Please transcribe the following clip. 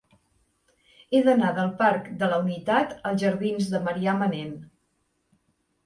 He d'anar del parc de la Unitat als jardins de Marià Manent.